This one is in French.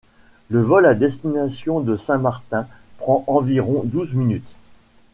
Le vol à destination de Saint-Martin prend environ douze minutes.